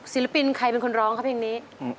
ศิลปินใครเป็นคนร้องครับเพลงนี้